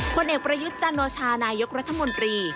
ผลเอกประยุจจันทร์โนชานายกรัฐมนตรี